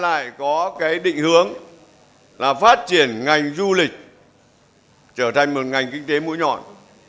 lại có cái định hướng là phát triển ngành du lịch trở thành một ngành kinh tế mũi nhọn